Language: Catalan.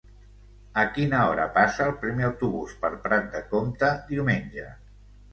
A quina hora passa el primer autobús per Prat de Comte diumenge?